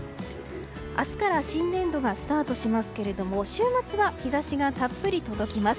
明日から新年度がスタートしますけれども週末は日差しがたっぷり届きます。